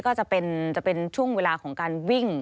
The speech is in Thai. ก็จะเป็นช่วงเวลาของการวิ่ง